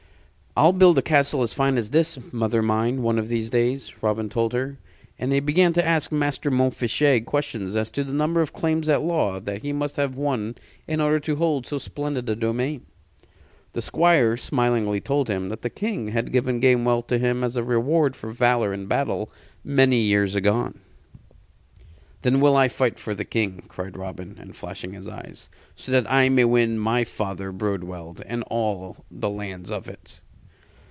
"I'll build a castle as fine as this, mother mine, one of these days," Robin told her: and he began to ask Master Montfichet questions as to the number of claims at law that he must have won in order to hold so splendid a domain. The Squire smilingly told him that the King had given Gamewell to him as a reward for valor in battle many years agone. "Then will I fight for the King," cried Robin, with flashing eyes, "so that I may win my father Broadweald and all the lands of it."